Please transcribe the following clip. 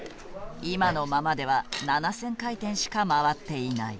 今のままでは７，０００回転しか回っていない。